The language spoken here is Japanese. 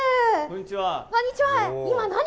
こんにちは。